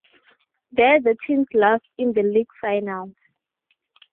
There the team lost in the league finals.